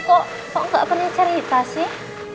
tapi kok kok gak pernah cerita sih